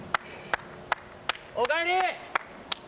おかえり！